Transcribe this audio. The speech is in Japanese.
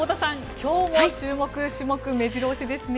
今日も注目種目目白押しですね。